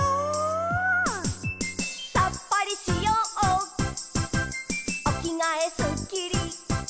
「さっぱりしようおきがえすっきり」